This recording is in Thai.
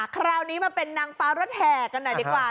คราวนี้มาเป็นนางฟ้ารถแห่กันหน่อยดีกว่า